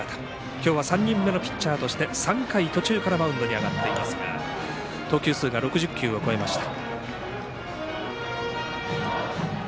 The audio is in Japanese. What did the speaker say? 今日は３人目のピッチャーとして３回途中からマウンドに上がっていますが投球数が６０球を超えました。